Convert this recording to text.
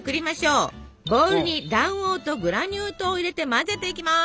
ボウルに卵黄とグラニュー糖を入れて混ぜていきます。